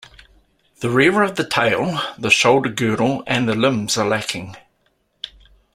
The rear of the tail, the shoulder girdle and the limbs are lacking.